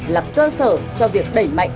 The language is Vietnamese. các bản thể biểu phương